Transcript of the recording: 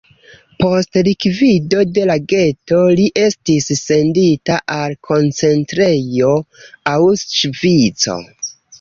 Post likvido de la geto li estis sendita al koncentrejo Aŭŝvico.